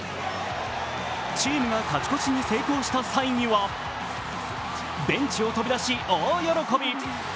チームが勝ち越しに成功した際にはベンチを飛び出し大喜び。